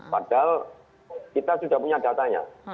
padahal kita sudah punya datanya